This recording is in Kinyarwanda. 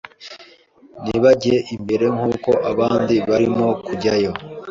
ntibajye imbere nk’uko abandi barimo kujyayo